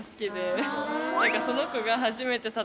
その子が。